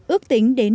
ước tính đến